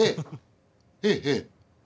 へえへえ。